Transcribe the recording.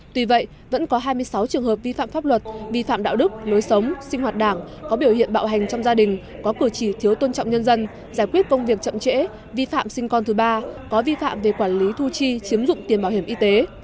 tuy vậy vẫn có hai mươi sáu trường hợp vi phạm pháp luật vi phạm đạo đức lối sống sinh hoạt đảng có biểu hiện bạo hành trong gia đình có cử chỉ thiếu tôn trọng nhân dân giải quyết công việc chậm trễ vi phạm sinh con thứ ba có vi phạm về quản lý thu chi chiếm dụng tiền bảo hiểm y tế